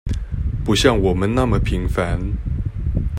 不像我們那麼平凡